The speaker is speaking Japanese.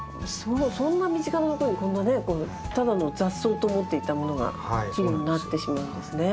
そんな身近なところにこんなねただの雑草と思っていたものが肥料になってしまうんですね。